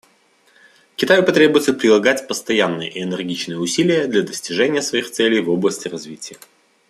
Китаю потребуется прилагать постоянные и энергичные усилия для достижения своих целей в области развития.